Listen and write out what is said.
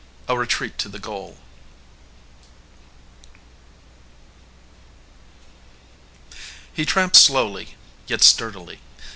"A RETREAT TO THE GOAL" HE tramped slowly yet sturdily.